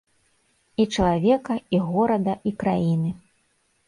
І чалавека, і горада, і краіны.